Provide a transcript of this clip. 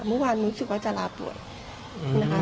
เมื่อวานรู้สึกว่าจะลาบวชนะคะ